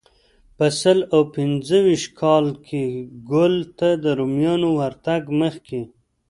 په سل او پنځه ویشت کال کې ګول ته د رومیانو ورتګ مخکې.